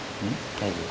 大丈夫。